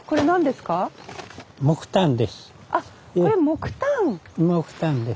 木炭です。